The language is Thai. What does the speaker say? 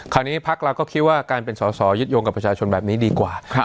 พักเราก็คิดว่าการเป็นสอสอยึดโยงกับประชาชนแบบนี้ดีกว่า